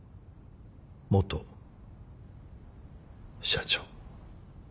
元社長。